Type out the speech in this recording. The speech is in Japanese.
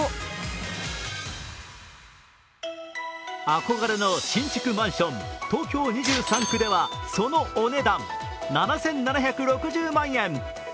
憧れの新築マンション、東京２３区ではそのお値段、７７６０万円。